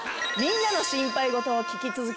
みんなの心配事を聞き続け